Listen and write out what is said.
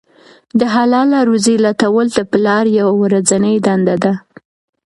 د حلاله روزۍ لټول د پلار یوه ورځنۍ دنده ده.